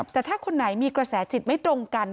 แต่ถ้าคนไหนมีกระแสจิตไม่ตรงกัน